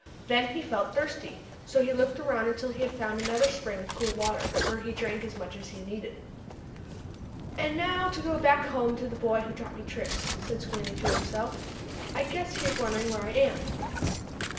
Then he felt thirsty, so he looked around until he had found another spring of cool water, where he drank as much as he needed. "And now to go back home, to the boy who taught me tricks," said Squinty to himself. "I guess he is wondering where I am."